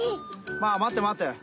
まあまってまって。